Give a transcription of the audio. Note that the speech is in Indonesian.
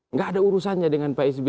nggak ada urusannya dengan pak s b